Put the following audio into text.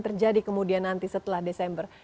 terjadi kemudian nanti setelah desember